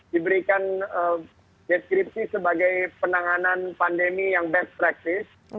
diberikan deskripsi sebagai penanganan pandemi yang best practice